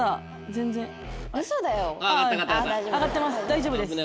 大丈夫です。